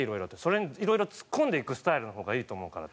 「それにいろいろツッコんでいくスタイルの方がいいと思うから」。